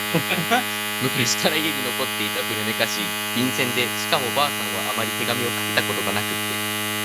昔から家に残っていた古めかしい、便箋でしかも婆さんはあまり手紙を書いたことがなくって……